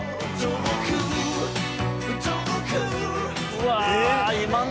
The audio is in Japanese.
うわ。